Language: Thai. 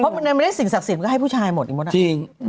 เพราะมันไม่ได้สิ่งศักดิ์สิทธิ์มันก็ให้ผู้ชายหมดอีกหมดจริง